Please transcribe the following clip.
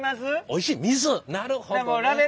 なるほどね。